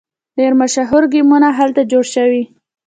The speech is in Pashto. ډیر مشهور ګیمونه هلته جوړ شوي.